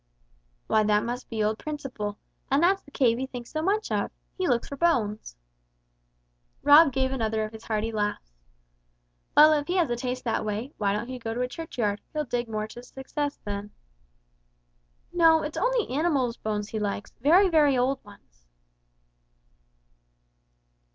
"Why that must be old Principle, and that's the cave he thinks so much of! He looks for bones." Rob gave another of his hearty laughs. "Well, if he has a taste that way, why don't he go to a churchyard, he'll dig to more success there." "No, it's only animals' bones he likes, very, very old ones."